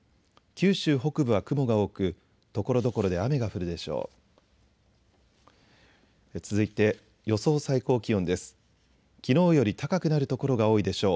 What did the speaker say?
九州北部は雲が多くところどころで雨が降るでしょう。